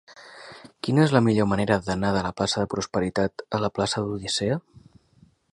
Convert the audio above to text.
Quina és la millor manera d'anar de la plaça de Prosperitat a la plaça de l'Odissea?